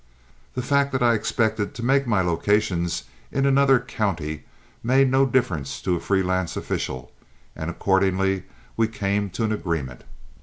The fact that I expected to make my locations in another county made no difference to a free lance official, and accordingly we came to an agreement.